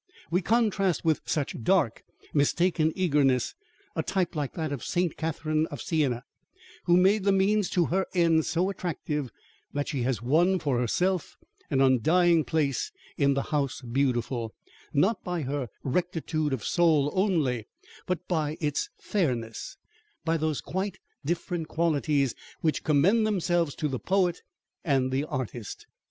We contrast with such dark, mistaken eagerness, a type like that of Saint Catherine of Siena, who made the means to her ends so attractive, that she has won for herself an undying place in the House Beautiful, not by her rectitude of soul only, but by its "fairness" by those quite different qualities which commend themselves to the poet and the artist.